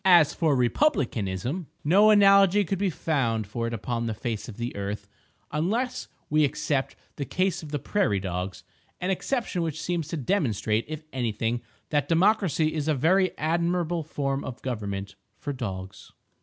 As for Republicanism, no analogy could be found for it upon the face of the earth—unless we except the case of the "prairie dogs," an exception which seems to demonstrate, if anything, that democracy is a very admirable form of government—for dogs.